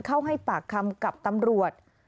เข้าให้ปากคำกับตำรวจ